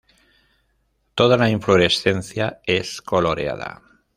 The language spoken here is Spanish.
Toda la inflorescencia es coloreada.